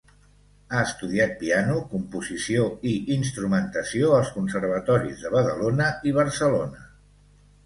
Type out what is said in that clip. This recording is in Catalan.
Ha estudiat piano, composició i instrumentació als conservatoris de Badalona i Barcelona.